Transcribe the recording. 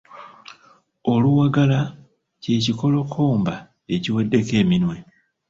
Oluwagala ky'ekikolokomba ekiweddeko eminwe.